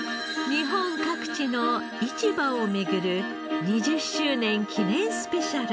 日本各地の市場を巡る２０周年記念スペシャル。